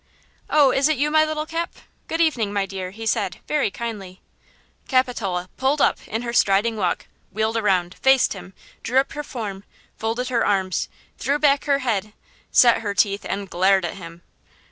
"Oh, it is you, my little Cap? Good evening, my dear," he said, very kindly. Capitola "pulled up" in her striding walk, wheeled around, faced him, drew up her form, folded her arms, threw back her head, set her teeth and glared at him.